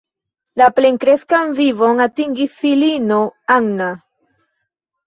La plenkreskan vivon atingis filino Anna.